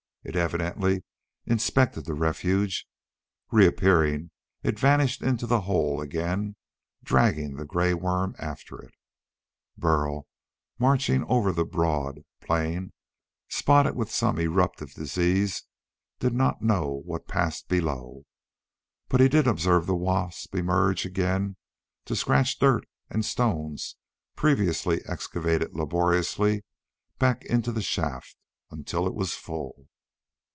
It evidently inspected the refuge. Reappearing, it vanished into the hole again, dragging the gray worm after it. Burl, marching on over the broad plain spotted with some eruptive disease, did not know what passed below. But he did observe the wasp emerge again to scratch dirt and stones previously excavated laboriously back into the shaft until it was full.